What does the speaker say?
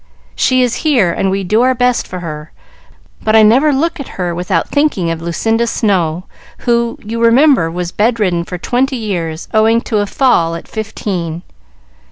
She is here, and we do our best for her; but I never look at her without thinking of Lucinda Snow, who, you remember, was bedridden for twenty years, owing to a fall at fifteen.